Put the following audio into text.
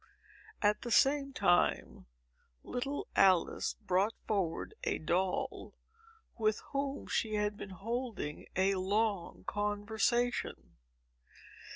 At the same time, little Alice brought forward a doll, with whom she had been holding a long conversation.